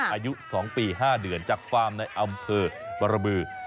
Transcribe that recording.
อายุ๒ปี๕เดือนจากฟาร์มในอำเภอบรบือ